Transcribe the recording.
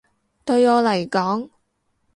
對我嚟講